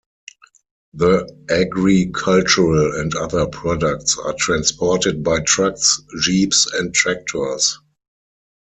The agricultural and other products are transported by trucks, jeeps and tractors.